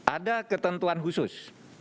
ada ketentuan khusus